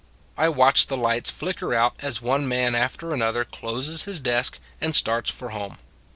I watch the lights flicker out as one man after another closes his desk and starts for home.